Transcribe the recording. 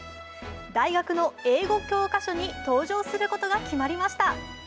大学の英語教科書に登場することが決まりました。